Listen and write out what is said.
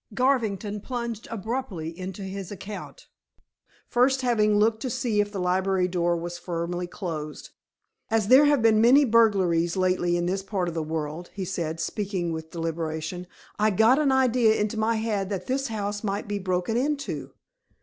Garvington plunged abruptly into his account, first having looked to see if the library door was firmly closed. "As there have been many burglaries lately in this part of the world," he said, speaking with deliberation, "I got an idea into my head that this house might be broken into."